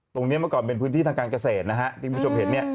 เมื่อก่อนเป็นพื้นที่ทางการเกษตรนะฮะที่คุณผู้ชมเห็นเนี่ย